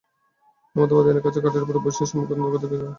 হেমন্ত বাতায়নের কাছে খাটের উপরে বসিয়া সম্মুখের অন্ধকারের দিকে চাহিয়া আছে।